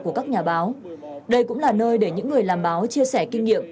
của các nhà báo đây cũng là nơi để những người làm báo chia sẻ kinh nghiệm